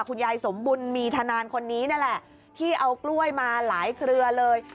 คุณยายสมบุญมีธนานคนนี้นั่นแหละที่เอากล้วยมาหลายเครือเลย